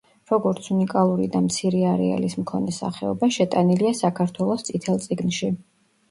როგორც უნიკალური და მცირე არეალის მქონე სახეობა, შეტანილია საქართველოს „წითელ წიგნში“.